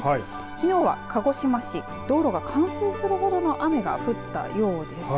きのうは鹿児島市道路が冠水するほどの雨が降ったようです。